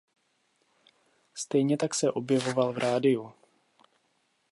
Stejně tak se objevoval v rádiu.